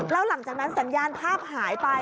แล้วหลังจากนั้นสัญญาณภาพหายไป